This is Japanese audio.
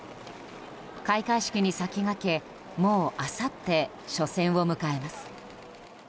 開会式に先駆けもう、あさって初戦を迎えます。